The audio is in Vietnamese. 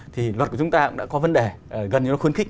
thì luật của chúng ta cũng đã có vấn đề gần như nó khuyến khích